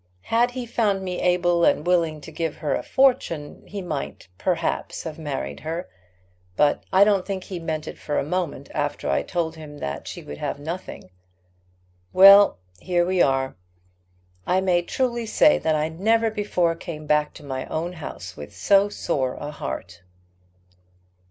Had he found me able and willing to give her a fortune he might, perhaps, have married her. But I don't think he meant it for a moment after I told him that she would have nothing. Well, here we are. I may truly say that I never before came back to my own house with so sore a heart."